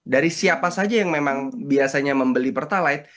dari siapa saja yang memang biasanya membeli pertalite